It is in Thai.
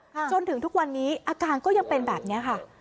จนถึงทุกวันนี้อาการก็ยังเป็นแบบนี้ค่ะ